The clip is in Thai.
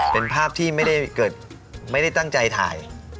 เป็นภาพที่ไม่ได้เกิดไม่ได้ตั้งใจถ่าย